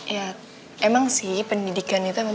ya emang sih pendidikan itu